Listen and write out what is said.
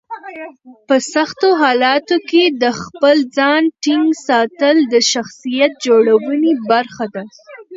په سختو حالاتو کې د خپل ځان ټینګ ساتل د شخصیت جوړونې برخه ده.